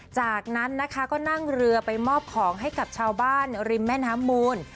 จากนั้นนะคะก็นั่งเรือไปมอบของให้กับชาวบ้านริมแม่น้ำมูล